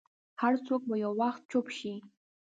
هر څوک به یو وخت چوپ شي.